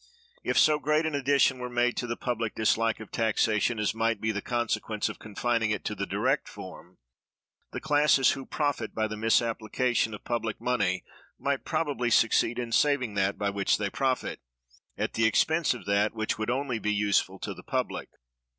If so great an addition were made to the public dislike of taxation as might be the consequence of confining it to the direct form, the classes who profit by the misapplication of public money might probably succeed in saving that by which they profit, at the expense of that which would only be useful to the public.